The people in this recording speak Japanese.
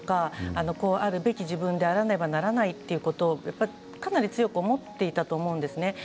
こうあるべき自分であらねばならないということもかなり強く思っていたと思うんです。